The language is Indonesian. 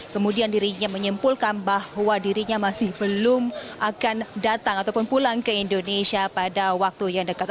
kemudian dirinya menyimpulkan bahwa dirinya masih belum akan datang ataupun pulang ke indonesia pada waktu yang dekat